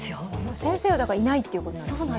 先生はいないということなんですね。